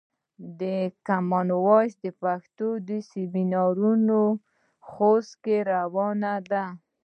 د کامن وایس پښتو سمینارونه خوست کې روان دي.